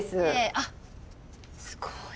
あっすごい。